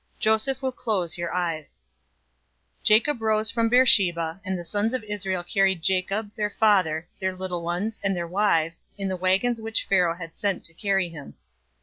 Joseph will close your eyes." 046:005 Jacob rose up from Beersheba, and the sons of Israel carried Jacob, their father, their little ones, and their wives, in the wagons which Pharaoh had sent to carry him.